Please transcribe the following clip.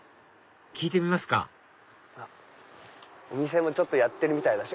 聞いてみますかお店もやってるみたいだし。